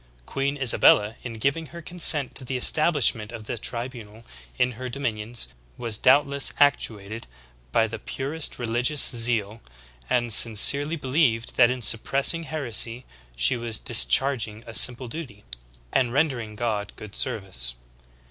Queen Isabella, in giving her consent to the estab lishment of the tribunal in her dominions, was doubtless ac tuated by the purest religious zeal, and sincerely believed that in suppressing heresy she was discharging a simple duty, and rendering God good service.